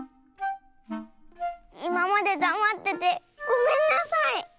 いままでだまっててごめんなさい！